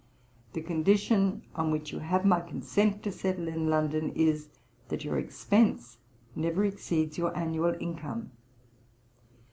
The condition on which you have my consent to settle in London is, that your expence never exceeds your annual income.